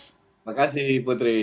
terima kasih putri